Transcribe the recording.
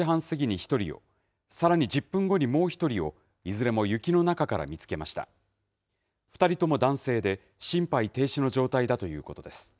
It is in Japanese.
２人とも男性で、心肺停止の状態だということです。